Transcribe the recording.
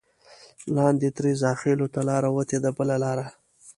لاندې ترې زاخېلو ته لاره وتې ده بله لاره.